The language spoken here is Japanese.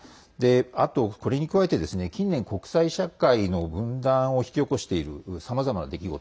あと、これに加えて近年国際社会の分断を引き起こしているさまざまな出来事